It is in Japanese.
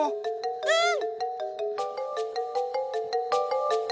うん！